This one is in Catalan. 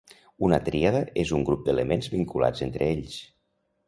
Una tríada és un grup d'elements vinculats entre ells.